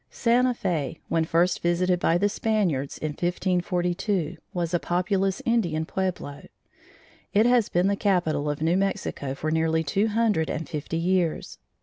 Santa Fe, when first visited by the Spaniards in 1542, was a populous Indian pueblo. It has been the capital of New Mexico for nearly two hundred and fifty years.